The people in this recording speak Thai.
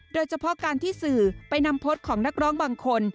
โดยเฉพาะการที่สื่อไปนำโพสต์ของนักร้องบางคน